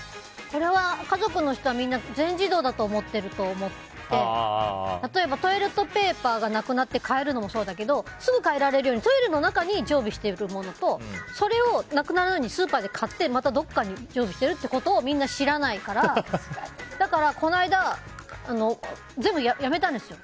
これは家族の人はみんな全自動だと思っていると思って例えば、トイレットペーパーがなくなって替えるのもそうだけどすぐ替えられるようにトイレの中に常備してるものとそれをなくならないようにスーパーで買ってどこかに常備していることをみんな知らないからだから、この間全部やめたんですよ。